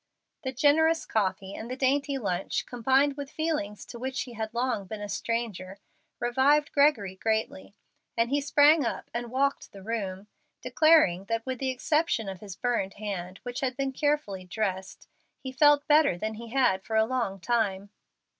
The generous coffee and the dainty lunch, combined with feelings to which he had long been a stranger, revived Gregory greatly, and he sprang up and walked the room, declaring that with the exception of his burned hand, which had been carefully dressed, he felt better than he had for a long time.